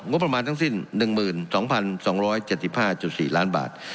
งบประมาณทั้งสิ้น๑๒๒๗๕๔ล้านบาท